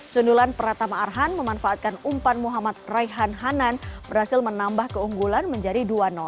sundulan pratama arhan memanfaatkan umpan muhammad raihan hanan berhasil menambah keunggulan menjadi dua